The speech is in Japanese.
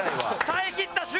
耐えきった。